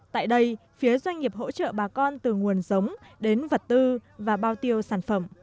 tại đây phía doanh nghiệp hỗ trợ bà con từ nguồn giống đến vật tư và bao tiêu sản phẩm